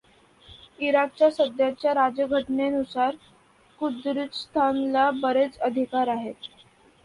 इराकच्या सध्याच्या राज्यघटनेनुसार कुर्दिस्तानला बरेच अधिकार आहेत.